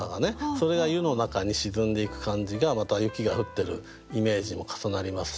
それが湯の中に沈んでいく感じがまた雪が降ってるイメージも重なりますし。